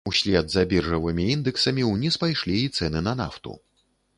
Услед за біржавымі індэксамі ўніз пайшлі і цэны на нафту.